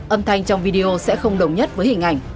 âm thanh trong video sẽ không đồng nhất với hình ảnh